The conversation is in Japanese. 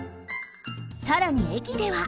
さらにえきでは。